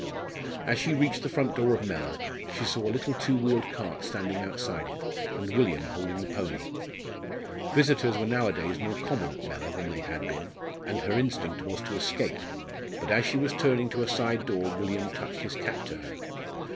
As she reached the front door of Mellor, she saw a little two wheeled cart standing outside it, and William holding the pony. Visitors were nowadays more common at Mellor than they had been, and her instinct was to escape. But as she was turning to a side door William touched his cap to her.